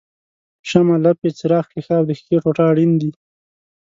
شمع، لمپې څراغ ښيښه او د ښیښې ټوټه اړین دي.